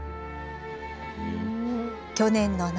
去年の夏